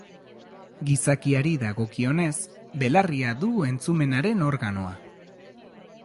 Gizakiari dagokionez, belarria du entzumenaren organoa.